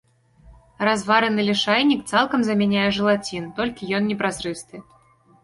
Развараны лішайнік цалкам замяняе жэлацін, толькі ён непразрысты.